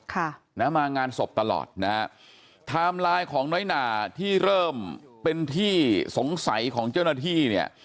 ค่ะนะมางานศพตลอดนะฮะไทม์ไลน์ของน้อยหนาที่เริ่มเป็นที่สงสัยของเจ้าหน้าที่เนี่ย